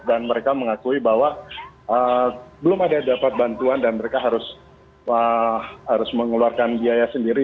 mereka mengakui bahwa belum ada yang dapat bantuan dan mereka harus mengeluarkan biaya sendiri